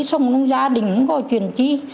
xong rồi gia đình cũng có chuyển trí